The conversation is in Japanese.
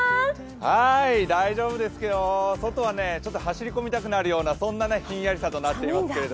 大丈夫ですよ外は走り込みたくなるようなそんなひんやりさとなっています。